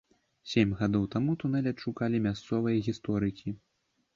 Сем гадоў таму тунэль адшукалі мясцовыя гісторыкі.